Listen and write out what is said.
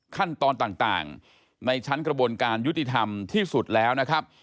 ขั้นตอนต่างในชั้นกระบวนการยุติธรรมที่สุดแล้วนะครับ